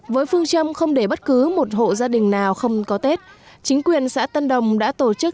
với phương châm không để bất cứ một hộ gia đình nào không có tết chính quyền xã tân đồng đã tổ chức